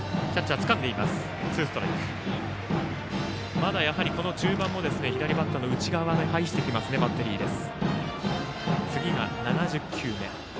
まだ中盤も左バッターの内側に配してくるバッテリーです。